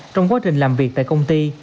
trong quá trình làm việc tại công ty